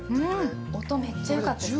◆音、めっちゃよかったですね。